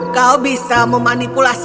kau bisa memanipulasi api